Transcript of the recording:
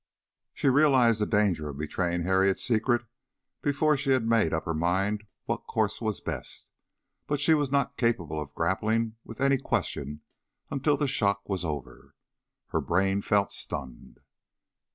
She realized the danger of betraying Harriet's secret before she had made up her mind what course was best, but she was not capable of grappling with any question until the shock was over. Her brain felt stunned.